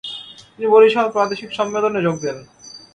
তিনি বরিশাল প্রাদেশিক সম্মেলনে যোগ দেন।